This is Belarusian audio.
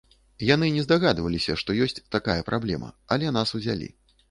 Яны не здагадваліся, што ёсць такая праблема, але нас узялі.